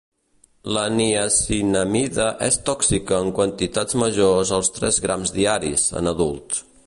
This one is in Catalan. La niacinamida és tòxica en quantitats majors als tres grams diaris, en adults.